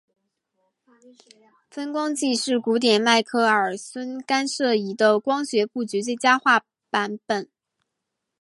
分光计是古典迈克耳孙干涉仪的光学布局最佳化版本。